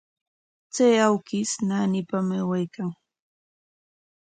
Chay awkish naanipam aywaykan.